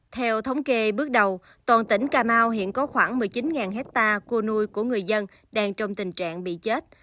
theo thống kê bước đầu toàn tỉnh cà mau hiện có khoảng một mươi chín hectare cua nuôi của người dân đang trong tình trạng bị chết